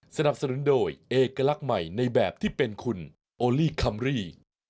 สนับสนุนโดยเอกลักษณ์ใหม่ในแบบที่เป็นคุณโอลี่คัมรี่